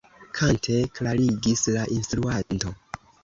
Kante klarigis la instruanto.